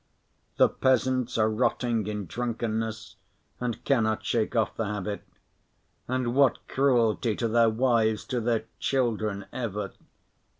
The peasants are rotting in drunkenness and cannot shake off the habit. And what cruelty to their wives, to their children even!